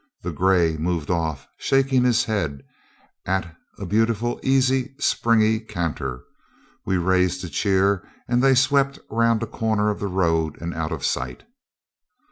The gray moved off, shaking his head, at a beautiful, easy, springy canter. We raised a cheer, and they swept round a corner of the road and out of sight.